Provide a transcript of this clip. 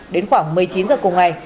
đến khoảng một mươi chín h cùng ngày